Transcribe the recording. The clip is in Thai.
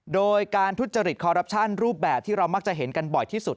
โดยการทุจริตคอรัปชั่นรูปแบบที่เรามักจะเห็นกันบ่อยที่สุด